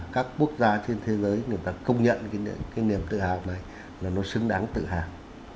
các quốc gia trên thế giới người ta công nhận cái niềm tự hào này là nó xứng đáng tự hào